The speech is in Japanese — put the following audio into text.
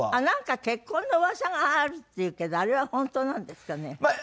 なんか結婚のうわさがあるっていうけどあれは本当なんですかね？